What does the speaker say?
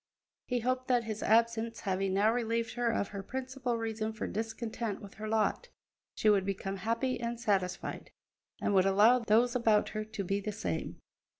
He hoped that, his absence having now relieved her of her principal reason for discontent with her lot, she would become happy and satisfied, and would allow those about her to be the same.